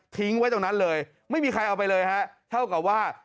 ทิ้งไว้ตรงนั้นเลยไม่มีใครเอาไปเลยฮะเท่ากับว่า